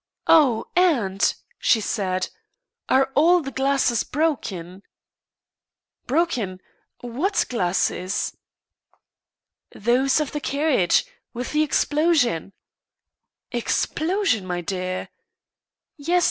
"Oh, aunt!" she said, "are all the glasses broken?" "Broken what glasses?" "Those of the carriage with the explosion." "Explosion, my dear!" "Yes.